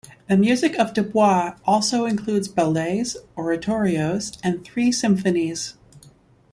The music of Dubois also includes ballets, oratorios and three symphonies.